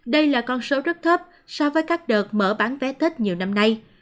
đây là con số rất thấp so với các đợt mở bán vé tết nhiều năm nay